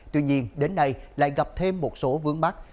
tuy nhiên đến nay lại gặp thêm một số vướng mắt